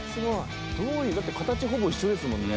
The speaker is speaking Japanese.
だって形ほぼ一緒ですもんね。